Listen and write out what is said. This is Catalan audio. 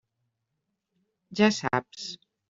Ja saps.